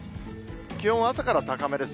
気温は朝から高めです。